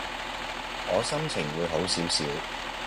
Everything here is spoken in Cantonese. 我心情會好少少